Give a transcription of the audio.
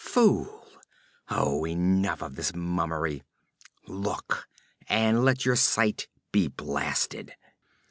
Fool! Oh, enough of this mummery! Look and let your sight be blasted!'